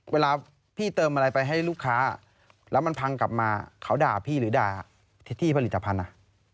เวลาพี่เติมอะไรไปให้ลูกค้าแล้วมันพังกลับมาเขาด่าพี่หรือด่าที่ผลิตภัณฑ์อ่ะ